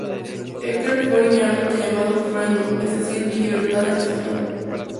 Hecker fue originalmente llamado "Freedom", es decir "Libertad" en español.